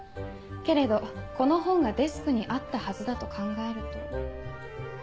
けれどこの本がデスクにあったはずだと考えると。